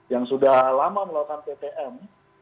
yang sudah lama melakukan ptm